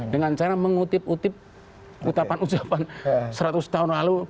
dengan cara mengutip utip utapan utapan seratus tahun lalu